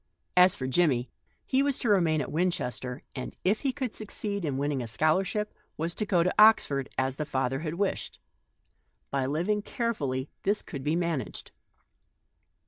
As for Jimmie, he was to remain at Winchester, and, if he could succeed in winning a scholarship, was to go to Oxford as the father had wished. By living very carefully this could be managed.